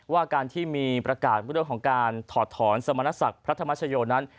ว่าการที่มีประกาศเรื่องของการถอดถอนสมณศักดิ์พระธรรมชโยนั้น